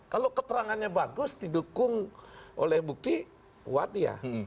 kalau keterangannya bagus didukung oleh bukti kuat ya